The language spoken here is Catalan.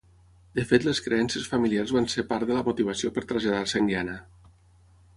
De fet les creences familiars van ser part de la motivació per traslladar-se a Indiana.